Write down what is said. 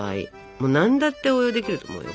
もう何だって応用できると思うよ。